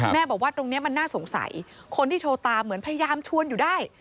แม่บอกว่าตรงนี้มันน่าสงสัยคนที่โทรตามเหมือนพยายามชวนอยู่ได้